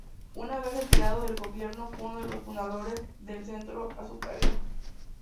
Una vez retirado del gobierno, fue uno de los fundadores del Centro Azucarero.